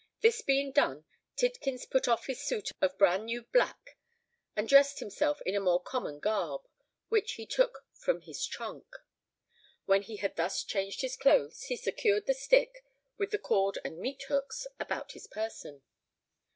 This being done, Tidkins put off his suit of bran new black, and dressed himself in a more common garb, which he took from his trunk. When he had thus changed his clothes, he secured the stick, with the cord and meat hooks, about his person.